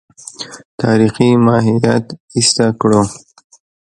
تاریخي ماهیت ایسته کړو.